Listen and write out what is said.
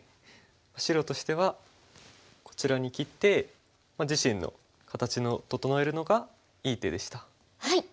白としてはこちらに切って自身の形を整えるのがいい手でした。